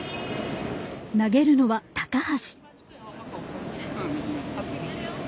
投げるのは高橋。